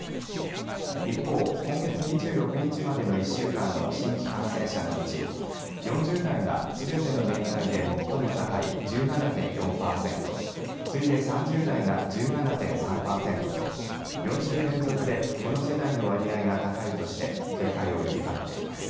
一方、今月２６日までの１週間の新規感染者のうち４０代がすべての年代で最も高い１７．４パーセント次いで３０代が１７．３パーセントと４週連続で、この世代の割合が高いとして警戒を呼びかけています。